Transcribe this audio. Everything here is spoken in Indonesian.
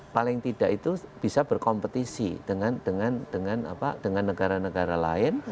paling tidak itu bisa berkompetisi dengan negara negara lain